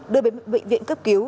đưa đến bệnh viện cấp cứu